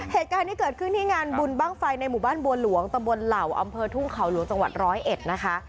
เหตุการณ์ที่เกิดขึ้นที่งานบุญบ้างไฟในหมู่บ้านบัวหลวงตำบลเหล่าอำเภอทุ่งเขาหลวงจังหวัดร้อยเอ็ดนะคะ